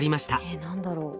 え何だろう？